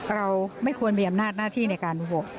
เราไม่ควรมีอำนาจหน้าที่ในการโหวต